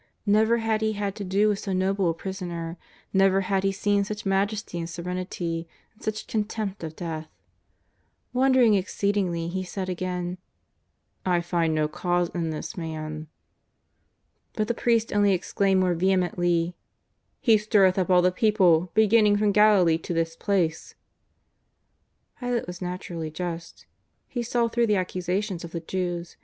Never had he had to do with so noble a prisoner; never had he seen such majesty and serenity, and such contempt of death. Wondering exceedingly he said again: '^ I find no cause in this Man." But the priests only exclaimed more vehemently: " He stirreth up all the people, beginning from Galilee to this place." Pilate was naturally just. He saw through the ac cusations of the Jews.